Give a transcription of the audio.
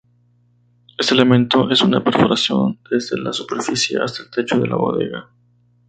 Este elemento es una perforación desde la superficie hasta el techo de la bodega.